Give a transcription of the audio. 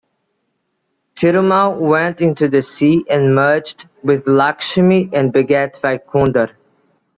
Thirumal went into the sea and merged with Lakshmi and beget Vaikundar.